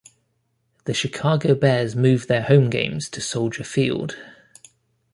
The Chicago Bears moved their home games to Soldier Field.